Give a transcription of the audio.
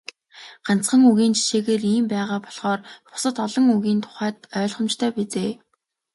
Ганцхан үгийн жишээгээр ийм байгаа болохоор бусад олон үгийн тухайд ойлгомжтой биз ээ.